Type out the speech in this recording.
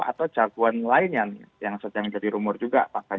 atau jagoan lainnya nih yang sedang jadi rumor juga pak kajar panowo